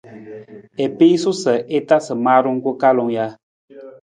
I piisu sa i tasa maarung ku kalung ja?